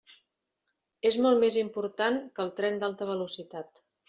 És molt més important que el tren d'alta velocitat.